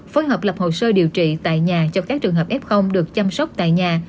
phối hợp lập hồ sơ điều trị tại nhà cho các trường hợp f được chăm sóc tại nhà